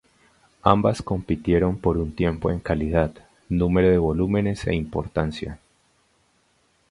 Ambas compitieron por un tiempo en calidad, número de volúmenes e importancia.